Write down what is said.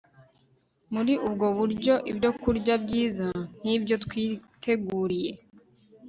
Muri ubwo buryo ibyokurya byiza nkibyo twiteguriye